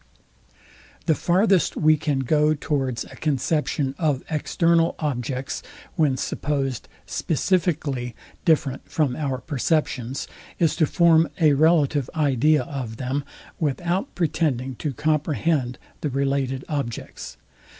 The farthest we can go towards a conception of external objects, when supposed SPECIFICALLY different from our perceptions, is to form a relative idea of them, without pretending to comprehend the related objects.